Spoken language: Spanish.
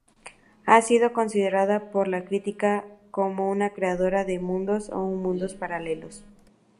Ha sido considerada, por la crítica, como una creadora de mundos o mundos paralelos.